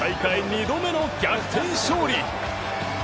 今大会２度目の逆転勝利。